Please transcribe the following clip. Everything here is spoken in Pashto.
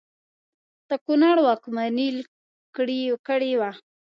د کنړ واکمني کړې وه.